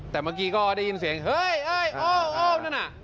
แต่เมื่อกี้ก็ได้ยินเสียงเฮ้ยนั่นน่ะ